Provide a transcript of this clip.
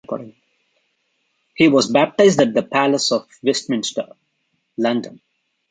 He was baptised at the Palace of Westminster, London.